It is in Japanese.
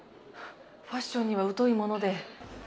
ファッションには疎いもので。